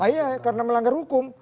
iya karena melanggar hukum